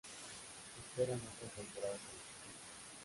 Se esperan otras temporadas en el futuro.